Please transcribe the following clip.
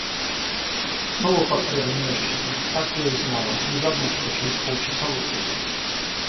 Снова под пледом нежишься? Так я и знала! Не забудь, что через полчаса выходим.